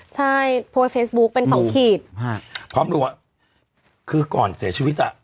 ใช่โพสต์เฟซบุ๊คเป็นสองขีดฮะพร้อมรู้ว่าคือก่อนเสียชีวิตอ่ะ